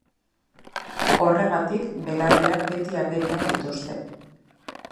Horregatik, belarriak beti agerian dituzte.